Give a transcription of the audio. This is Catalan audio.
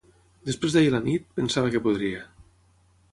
Després d'ahir a la nit, pensava que podria.